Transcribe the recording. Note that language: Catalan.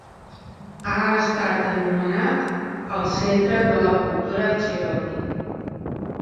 Ha estat anomenat el centre de la cultura Cherokee.